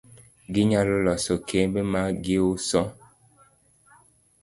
Ginyalo loso kembe ma giuso